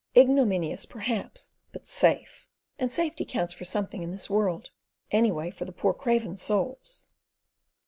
Ignominious perhaps, but safe, and safety counts for something in this world; anyway, for the poor craven souls.